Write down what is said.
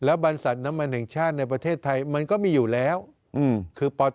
บรรษัทน้ำมันแห่งชาติในประเทศไทยมันก็มีอยู่แล้วคือป๔